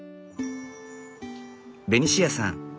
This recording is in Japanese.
ベニシアさん